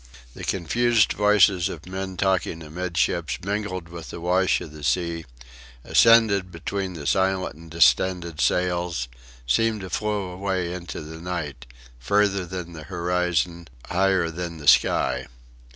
The confused voices of men talking amidships mingled with the wash of the sea, ascended between the silent and distended sails seemed to flow away into the night, further than the horizon, higher than the sky.